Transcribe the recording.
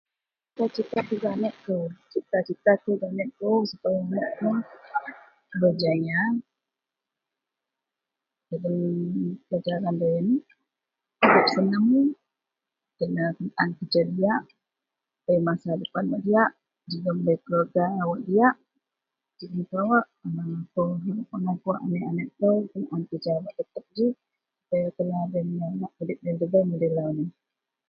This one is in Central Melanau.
Cita-cita kou gak aneak kou, cita-cita kou gak aneak kou sepaya berjaya dari pelajaran duayen, seneng kena kenaan kerja diyak, bei masa depan wak diyak jegem bei keluarga wak diyak. Geji kawak harapan kou gak aneak - aneak kou sepaya duayen kena menudip tudip loyen debei mudei lau neh